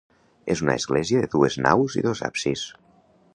És una església de dues naus i dos absis.